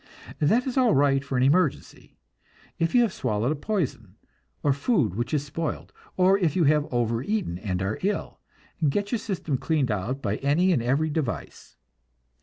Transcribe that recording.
That is all right for an emergency; if you have swallowed a poison, or food which is spoiled, or if you have overeaten and are ill, get your system cleaned out by any and every device.